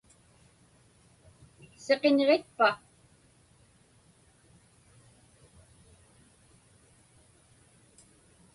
Siqiñġitpa?